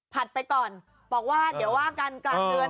ผ่านไปก่อนบอกว่าเดี๋ยวว่าการการเงิน